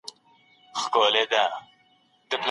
تاسو باید د وطن له تولیداتو ګټه واخلئ.